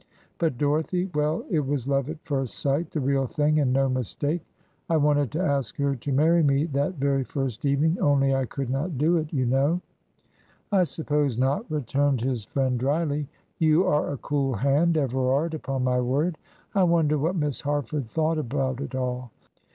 But Dorothy well, it was love at first sight, the real thing and no mistake. I wanted to ask her to marry me that very first evening, only I could not do it, you know." "I suppose not," returned his friend, dryly. "You are a cool hand, Everard, upon my word. I wonder what Miss Harford thought about it all.